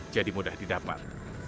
jadi mudah didapat